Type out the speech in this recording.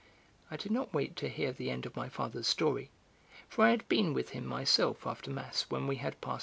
I did not wait to hear the end of my father's story, for I had been with him myself after mass when we had passed M.